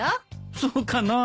そうかなあ。